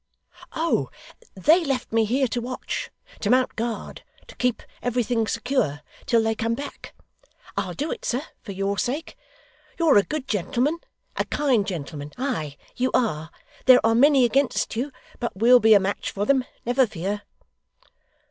'Oh! They left me here to watch to mount guard to keep everything secure till they come back. I'll do it, sir, for your sake. You're a good gentleman; a kind gentleman ay, you are. There are many against you, but we'll be a match for them, never fear!